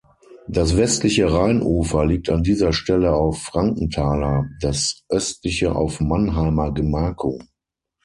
Das westliche Rheinufer liegt an dieser Stelle auf Frankenthaler, das östliche auf Mannheimer Gemarkung.